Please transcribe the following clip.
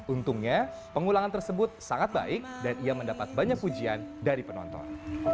untungnya pengulangan tersebut sangat baik dan ia mendapat banyak pujian dari penonton